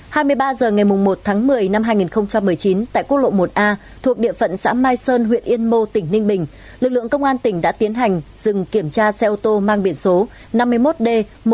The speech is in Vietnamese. hai mươi ba h ngày một tháng một mươi năm hai nghìn một mươi chín tại quốc lộ một a thuộc địa phận xã mai sơn huyện yên mô tỉnh ninh bình lực lượng công an tỉnh đã tiến hành dừng kiểm tra xe ô tô mang biển số năm mươi một d một nghìn một trăm một mươi